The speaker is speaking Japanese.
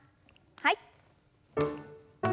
はい。